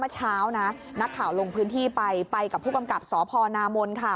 เมื่อเช้านะนักข่าวลงพื้นที่ไปไปกับผู้กำกับสพนามนค่ะ